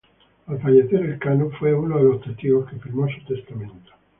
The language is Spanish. Al fallecer Elcano, fue uno de los testigos que firmó su testamento.